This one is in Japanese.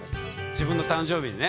自分の誕生日にね。